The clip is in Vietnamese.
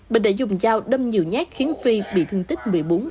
bình đã dùng dao đâm nhiều nhát khiến phi bị thương tích một mươi bốn